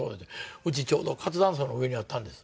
うちちょうど活断層の上にあったんです。